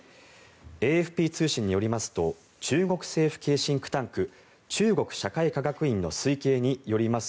ＡＦＰ通信によりますと中国政府系シンクタンク中国社会科学院の推計によります